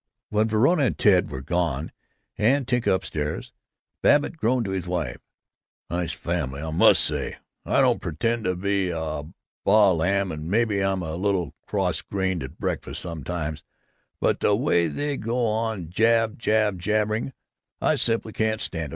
When Verona and Ted were gone and Tinka upstairs, Babbitt groaned to his wife: "Nice family, I must say! I don't pretend to be any baa lamb, and maybe I'm a little cross grained at breakfast sometimes, but the way they go on jab jab jabbering, I simply can't stand it.